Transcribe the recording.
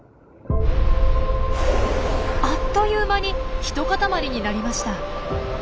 あっという間にひとかたまりになりました。